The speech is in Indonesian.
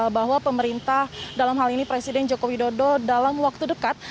bahwa pemerintah dalam hal ini presiden joko widodo dalam waktu dekat